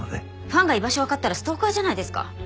ファンが居場所わかったらストーカーじゃないですか。